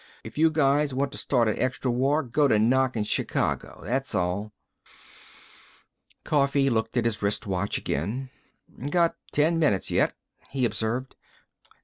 "If you guys want to start a extra war, go to knockin' Chicago. That's all." Coffee looked at his wrist watch again. "Got ten minutes yet," he observed.